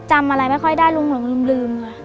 จำอะไรไม่ค่อยได้ลุงหลงลืมค่ะ